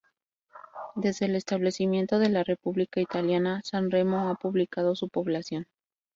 Desde el establecimiento de la república italiana, San Remo ha duplicado su población.